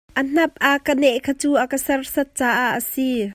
A hnap a ka neh kha cu a ka serhsat caah a si.